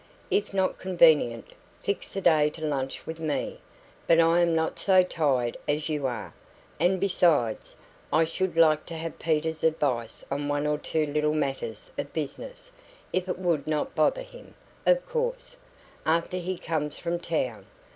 If not convenient, fix a day to lunch with me; but I am not so tied as you are, and besides, I should like to have Peter's advice on one or two little matters of business, if it would not bother him of course, after he comes from town.